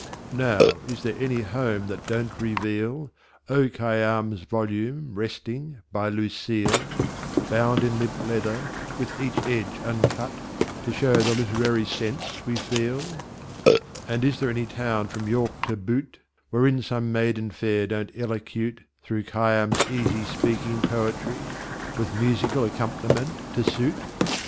Now, is there any Home that Don't reveal O. Khayyam's volume resting by "Lucille," Bound in Limp Leather, with each Edge uncut, To show the Literary Sense we feel? And is there any town from York to Butte Wherein some Maiden fair don't Elocute Through Khayyam's easy speaking poetry, With Musical Accomp'niment to suit?